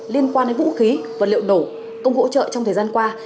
liên quan đến vũ khí vật liệu nổ công cụ hỗ trợ trong thời gian qua